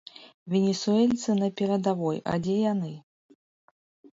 Венесуэльцы на перадавой, а дзе яны?